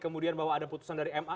kemudian bahwa ada putusan dari ma